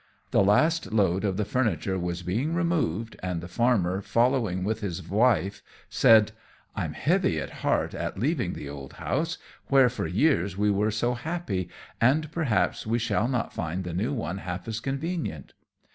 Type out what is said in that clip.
The last load of the furniture was being removed, and the Farmer, following with his wife, said "I'm heavy at heart at leaving the old house, where, for years, we were so happy, and perhaps we shall not find the new one half as convenient."